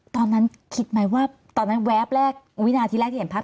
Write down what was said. ตอนนั้นคิดไหมว่าตอนนั้นแวบแรกวินาทีแรกที่เห็นพัก